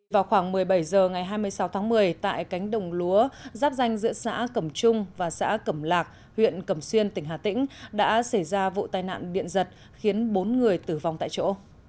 vào khoảng một mươi bảy h ngày hai mươi sáu tháng một mươi tại cánh đồng lúa giáp danh giữa xã cẩm trung và xã cẩm lạc huyện cẩm xuyên tỉnh hà tĩnh đã xảy ra vụ tai nạn điện giật khiến bốn người tử vong tại chỗ